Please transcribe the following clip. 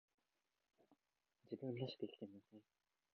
自分らしく生きてみなさい